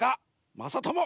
まさとも！